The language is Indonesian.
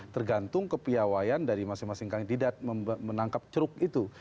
tergantung kepiawayan dari masing masing kandidat menangkap ceruk itu